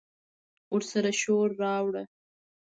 ورسره شور، راوړه